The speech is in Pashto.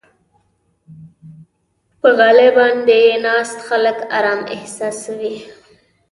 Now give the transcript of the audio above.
په غالۍ باندې ناست خلک آرام احساسوي.